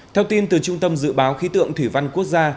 theo tin từ trung tâm dự báo khí tượng thủy văn quốc gia